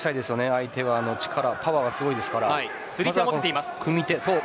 相手はパワーがすごいですから。